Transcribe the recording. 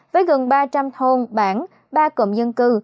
với gần ba trăm linh thôn bảng ba cộng dân cư